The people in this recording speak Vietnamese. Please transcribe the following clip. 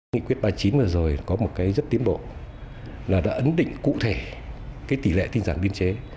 nghị quyết ba mươi chín vừa rồi có một cái rất tiến bộ là đã ấn định cụ thể tỷ lệ tinh giản biên chế